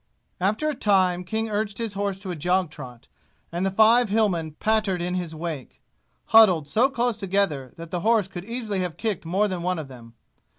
After a time King urged his horse to a jog trot, and the five Hillmen pattered in his wake, huddled so close together that the horse could easily have kicked more than one of them.